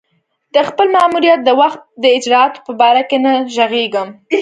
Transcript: د خپل ماموریت د وخت د اجرآتو په باره کې نه ږغېږم.